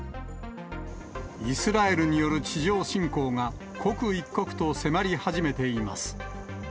イスラエルによる地上侵攻が刻一刻と迫り始めています。